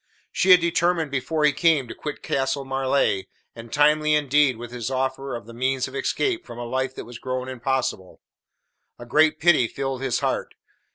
She had determined before he came to quit Castle Marleigh, and timely indeed was his offer of the means of escape from a life that was grown impossible. A great pity filled his heart.